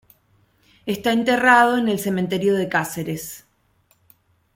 Está enterrado en el cementerio de Cáceres.